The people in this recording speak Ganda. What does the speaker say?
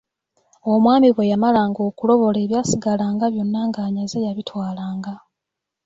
Omwami bwe yamalanga okulobola ebyasigalanga byonna ng’anyaze yabitwalanga.